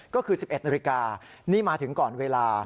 ก็คือ๑๑นาฬิกานี่มาถึงก่อนเวลา